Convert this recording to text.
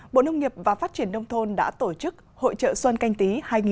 bộ nông nghiệp và phát triển nông thôn đã tổ chức hội trợ xuân canh tí hai nghìn hai mươi